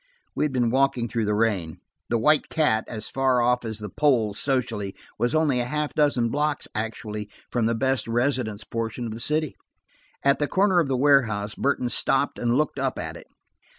We had been walking through the rain. The White Cat, as far off as the poles socially, was only a half dozen blocks actually from the best residence portion of the city. At the corner of the warehouse, Burton stopped and looked up at it.